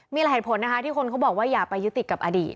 มีหลายเหตุผลนะคะที่คนเขาบอกว่าอย่าไปยึดติดกับอดีต